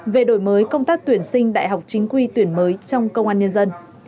về đổi mới công tác tuyển sinh đại học chính quy tuyển mới trong công an nhân dân